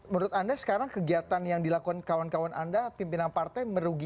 menurut anda sekarang kegiatan yang dilakukan kawan kawan anda pimpinan partai merugikan